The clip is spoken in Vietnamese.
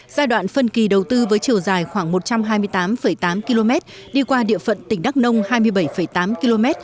giai đoạn phân kỳ đầu tư với chiều dài khoảng một trăm hai mươi tám tám km đi qua địa phận tỉnh đắk nông hai mươi bảy tám km